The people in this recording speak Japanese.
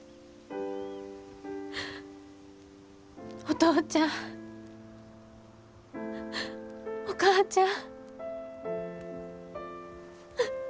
お父ちゃんお母ちゃん。